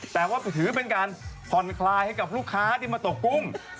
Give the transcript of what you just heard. แต่ว่าถือเป็นการผ่อนคลายให้กับลูกค้าที่มาตกกุ้ง